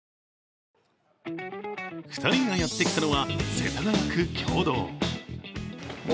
２人がやってきたのは、世田谷区経堂。